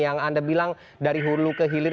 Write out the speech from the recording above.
yang anda bilang dari hulu ke hilir